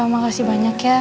makasih banyak ya